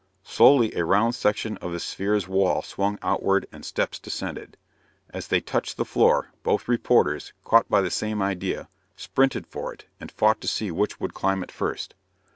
Slowly, a round section of the sphere's wall swung outward and steps descended. As they touched the floor, both reporters, caught by the same idea, sprinted for it and fought to see which would climb it first.